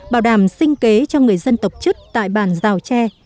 bảo đảm sinh kế cho người dân tộc chức tại bản giao tre